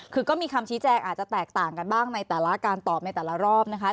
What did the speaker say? คือก็มีคำชี้แจงอาจจะแตกต่างกันบ้างในแต่ละการตอบในแต่ละรอบนะคะ